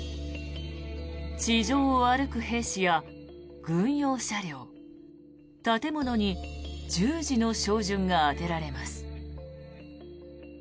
地上を歩く兵士や軍用車両建物に十字の照準が当てられます。